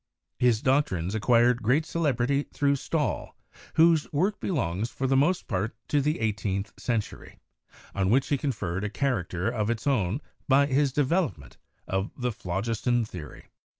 His doctrines acquired great celebrity through Stahl, whose work belongs for the most part to the eighteenth century, on which he conferred a character of its own by his development of the phlogiston theory.